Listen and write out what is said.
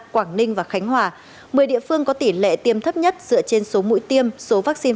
quảng ninh và khánh hòa một mươi địa phương có tỷ lệ tiêm thấp nhất dựa trên số mũi tiêm số vaccine